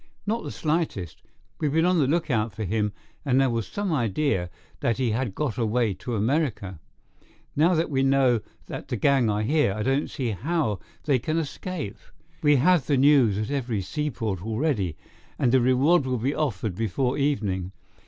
"Not the slightest. We have been on the look out for him, and there was some idea that he had got away to America. Now that we know that the gang are here, I don't see how they can escape. We have the news at every seaport already, and a reward will be offered before evening.